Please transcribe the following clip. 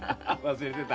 忘れてた。